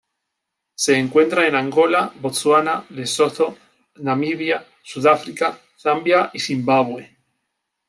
Se encuentra en Angola, Botsuana, Lesotho, Namibia, Sudáfrica, Zambia y Zimbabwe.